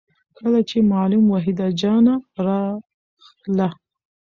کله چې معلم وحيده جانه راغله